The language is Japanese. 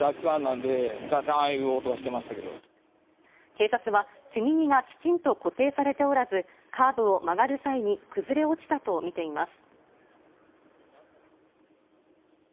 警察は、積み荷がきちんと固定されておらずカーブを曲がる際に崩れ落ちたとみています。